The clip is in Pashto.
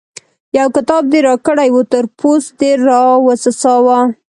يو کتاب دې راکړی وو؛ تر پوست دې راوڅڅاوو.